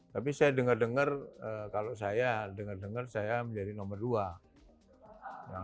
tapi saya dengar dengar kalau saya dengar dengar saya menjadi nomor dua